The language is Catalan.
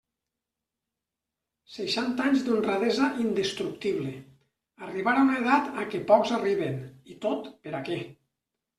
Seixanta anys d'honradesa indestructible, arribar a una edat a què pocs arriben, i tot per a què?